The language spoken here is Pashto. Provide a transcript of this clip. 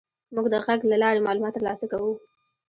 موږ د غږ له لارې معلومات تر لاسه کوو.